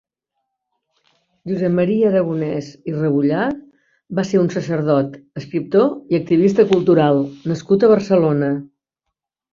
Josep Maria Aragonès i Rebollar va ser un sacerdot, escriptor i activista cultural nascut a Barcelona.